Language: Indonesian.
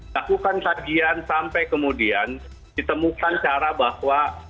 lakukan kajian sampai kemudian ditemukan cara bahwa